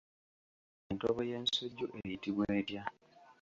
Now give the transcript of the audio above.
Entobo y'ensujju eyitibwa etya?